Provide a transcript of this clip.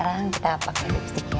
sekarang kita pakai lipstick ya